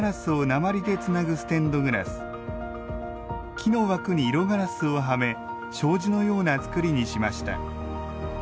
木の枠に色ガラスをはめ障子のような造りにしました。